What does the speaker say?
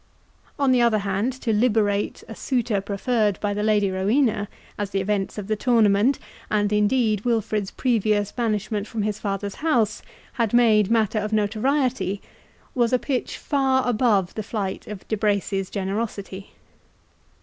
On the other hand, to liberate a suitor preferred by the Lady Rowena, as the events of the tournament, and indeed Wilfred's previous banishment from his father's house, had made matter of notoriety, was a pitch far above the flight of De Bracy's generosity.